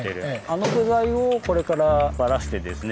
あの部材をこれからばらしてですね